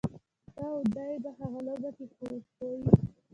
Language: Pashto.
ته او دی په هغه لوبه کي خو خوئ.